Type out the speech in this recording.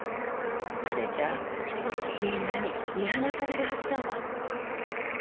あれじゃあみんなに見放されるはずだわ。